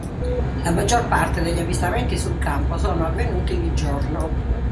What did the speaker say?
La maggior parte degli avvistamenti sul campo sono avvenuti di giorno.